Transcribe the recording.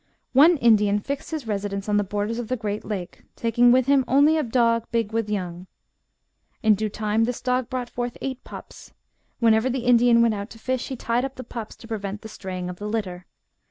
" One Indian fixed his residence on the borders of the Great Bear lake, taking \\dth him only a dog big FOLK LORE RELATING TO WERE WOLVES. 123 with young. In due time, this dog brought forth eight pups. Whenever the Indian went out to fish, he tied up the pups, to prevent the straying of the litter.